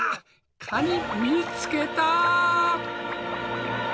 カニ見つけた！